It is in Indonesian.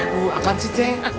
aduh akan sih ceng